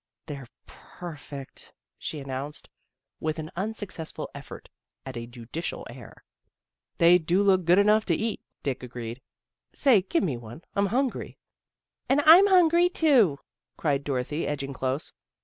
" They're perfect," she announced, with an unsuccessful effort at a judicial air. " They do look good enough to eat," Dick agreed. " Say, give me one. I'm hungry." " And I'm hungry, too," cried Dorothy, edging close.